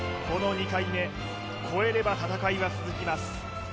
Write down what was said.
この２回目越えれば戦いは続きます